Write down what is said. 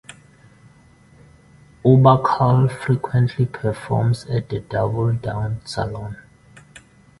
Uberschall frequently performs at the Double-Down Saloon.